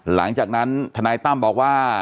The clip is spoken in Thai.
หลังจากนั้นทนายตั้มบอกว่า